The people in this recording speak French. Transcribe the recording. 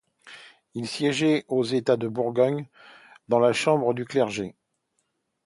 Il siégeait aux États de Bourgogne dans la Chambre du Clergé.